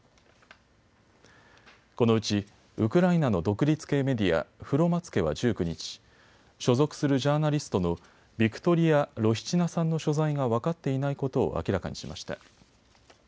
このうちウクライナの独立系メディア、フロマツケは１９日、所属するジャーナリストのビクトリア・ロシチナさんの所在が分かっていないことを明らかにしました。